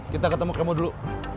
kita ketemu kemo dulu